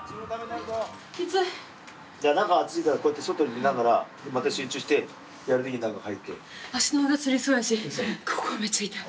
中暑いからこうやって外に出ながらまた集中してやる時に中入って。